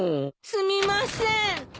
すみません。